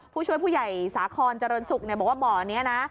ผู้ช่วยผู้ใหญ่สาคอนเจริญศุกร์บอกว่าบ่อนี้นะ